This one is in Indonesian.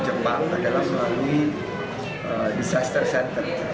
jepang adalah melalui disaster center